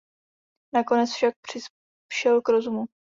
Nakonec však přišel k rozumu.